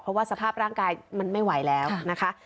เพราะว่าสภาพร่างกายมันไม่ไหวแล้วนะคะ